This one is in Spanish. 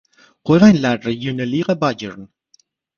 Juega en la Regionalliga Bayern.